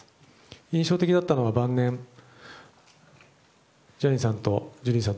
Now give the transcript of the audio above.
印象的だったのは晩年ジャニーさんとジュリーさん